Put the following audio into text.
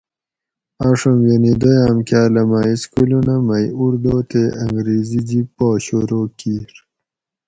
آۤڛوم یعنی دویاۤم کاۤلہ مۤہ اِسکولونہ مئ اُردو تے انگریزی جِب پا شورو کِیر